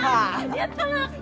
やったな！